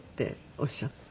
おっしゃって。